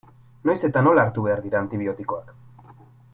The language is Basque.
Noiz eta nola hartu behar dira antibiotikoak?